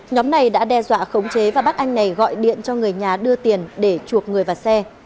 nhóm này đã đe dọa khống chế và bắt anh này gọi điện cho người nhà đưa tiền để chuộc người vào xe